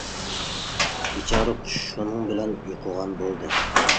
بىچارە قۇش شۇنىڭ بىلەن يوقىغان بولدى.